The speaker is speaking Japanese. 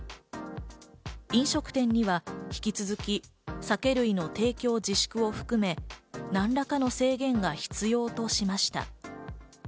飲食店には引き続き酒類の提供自粛を含め、なんらかの制限が必要としました。